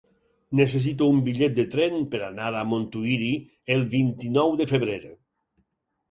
Necessito un bitllet de tren per anar a Montuïri el vint-i-nou de febrer.